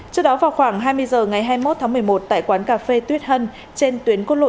trước đó vào khoảng hai mươi h ngày hai mươi một tháng một mươi một tại quán cà phê tuyết hân trên tuyến quân lộ chín mươi một